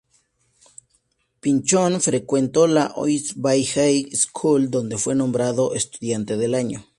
Pynchon frecuentó la Oyster Bay High School, donde fue nombrado "estudiante del año".